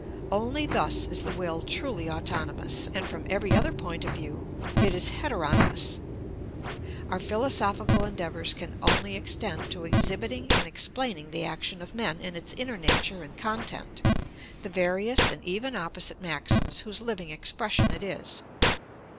Only thus is the will truly autonomous, and from every other point of view it is heteronomous. Our philosophical endeavours can only extend to exhibiting and explaining the action of men in its inner nature and content, the various and even opposite maxims, whose living expression it is.